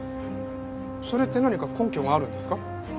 それって何か根拠があるんですか？